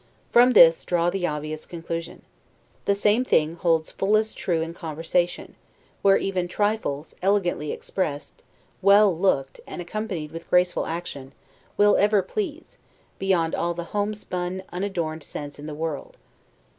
From this draw the obvious conclusion. The same thing holds full as true in conversation; where even trifles, elegantly expressed, well looked, and accompanied with graceful action, will ever please, beyond all the homespun, unadorned sense in the world.